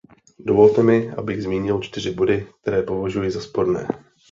Dovolte mi, abych zmínil čtyři body, které považuji za sporné.